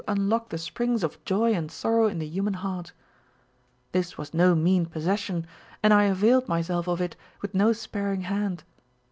unlock the springs of joy and sorrow in the human heart. This was no mean j)ossession, and I availed myself of it with no sparing hand.